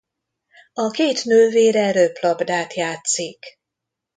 A két nővére röplabdát játszik.